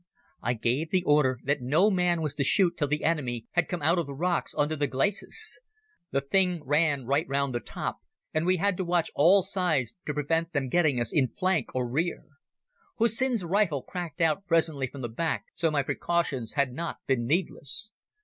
I gave the order that no man was to shoot till the enemy had come out of the rocks on to the glacis. The thing ran right round the top, and we had to watch all sides to prevent them getting us in flank or rear. Hussin's rifle cracked out presently from the back, so my precautions had not been needless.